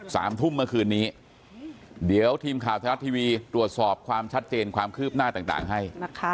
สามทุ่มเมื่อคืนนี้เดี๋ยวทีมข่าวไทยรัฐทีวีตรวจสอบความชัดเจนความคืบหน้าต่างต่างให้นะคะ